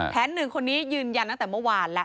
หนึ่งคนนี้ยืนยันตั้งแต่เมื่อวานแล้ว